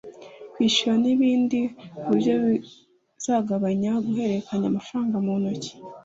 kwishyura n’ibindi ku buryo bizagabanya guhererekanya amafaranga mu ntoki